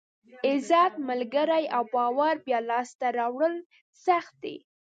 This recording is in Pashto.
عزت، ملګري او باور بیا لاسته راوړل سخت دي.